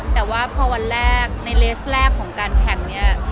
แต่ว่าพอวันแรกในเลสแรกของการแข่งเนี่ย